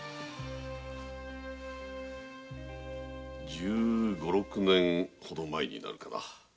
十五十六年ほど前になるかな